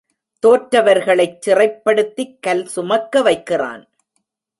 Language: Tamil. தோற்றவர்களைச் சிறைப்படுத்திக் கல் சுமக்க வைக்கிறான்.